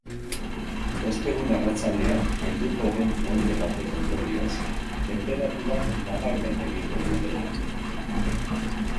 Ostegun arratsaldean helduko den fronte baten ondorioz, tenperaturak nabarmen egingo du behera.